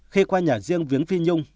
khi qua nhà riêng viếng phi nhung